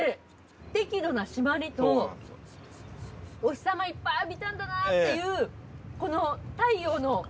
適度な締まりとお日さまいっぱい浴びたんだなっていうこの太陽の恵み。